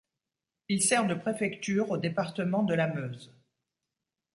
Il sert de préfecture au département de la Meuse.